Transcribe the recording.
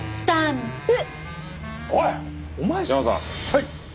はい！